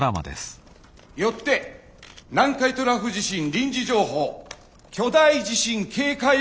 よって南海トラフ地震臨時情報巨大地震警戒を発出いたします。